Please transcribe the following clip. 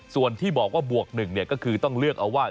ส่วนที่บอกว่าบวก๑ก็คือต้องเลือกเอาว่า